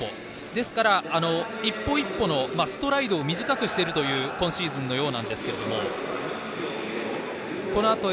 ですから、１歩１歩のストライドを短くしている今シーズンのようなんですが。